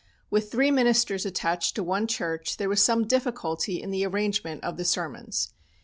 With three ministers attached to one church there was some difficulty in the arrangement of the sermons.